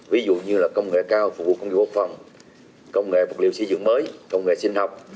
ví dụ như là công nghệ cao phục vụ công nghiệp quốc phòng công nghệ vật liệu xây dựng mới công nghệ sinh học